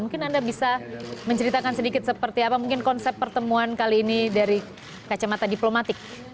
mungkin anda bisa menceritakan sedikit seperti apa mungkin konsep pertemuan kali ini dari kacamata diplomatik